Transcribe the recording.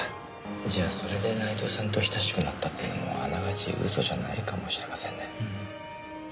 じゃあそれで内藤さんと親しくなったっていうのもあながち嘘じゃないかもしれませんね。